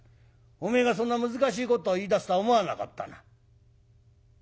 おめえがそんな難しいことを言いだすとは思わなかったな」。